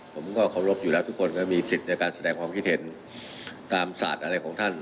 ผมก็เคารพอยู่แล้วทุกคนก็มีสิทธิ์ในการแสดงความคิดเห็นตามศาสตร์อะไรของท่าน